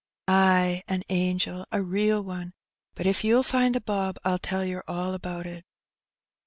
"Ay, an angel, a real one; but if you'll find the bob, Fll tell yer all about it."